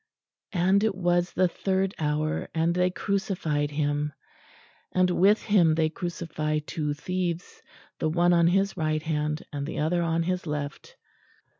_ And it was the third hour and they crucified him ... And with him they crucify two thieves, the one on his right hand, and the other on his left.